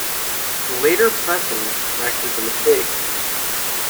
Later pressings corrected the mistakes.